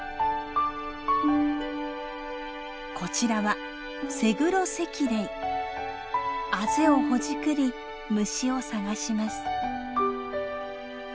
こちらはあぜをほじくり虫を探します。